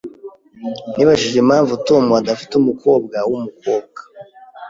Nibajije impamvu Tom adafite umukobwa wumukobwa.